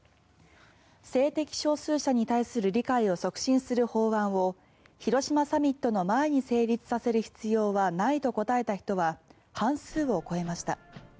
性的少数者に対する理解を促進する法案を広島サミットの前に成立させる必要はないと答えた人は半数を超えました。